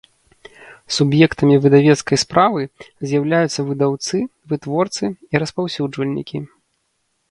Суб’ектамi выдавецкай справы з’яўляюцца выдаўцы, вытворцы i распаўсюджвальнiкi.